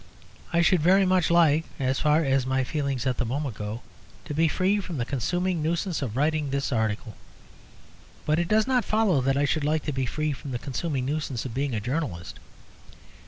I should very much like (as far as my feelings at the moment go) to be free from the consuming nuisance of writing this article. But it does not follow that I should like to be free from the consuming nuisance of being a journalist.